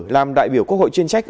làm đại biểu quốc hội chuyên trách